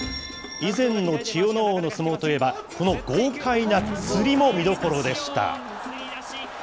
以前の千代ノ皇の相撲といえば、この豪快なつりも見どころでした。